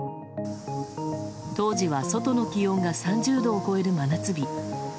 当時は外の気温が３０度を超える真夏日。